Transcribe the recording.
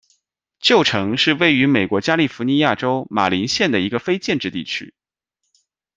旧城是位于美国加利福尼亚州马林县的一个非建制地区。